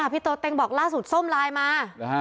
พีโต้เต็งบอกล่าสุดเราก็โทรไลน์มา